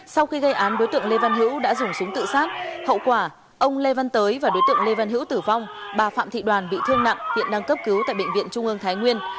sau khi gây án đối tượng lê văn hữu đã dùng súng tự sát hậu quả ông lê văn tới và đối tượng lê văn hữu tử vong bà phạm thị đoàn bị thương nặng hiện đang cấp cứu tại bệnh viện trung ương thái nguyên